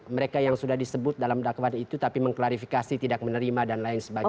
mereka yang sudah disebut dalam dakwaan itu tapi mengklarifikasi tidak menerima dan lain sebagainya